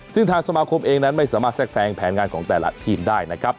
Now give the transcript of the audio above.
ซึ่งทางสมาคมเองนั้นไม่สามารถแทรกแซงแผนงานของแต่ละทีมได้นะครับ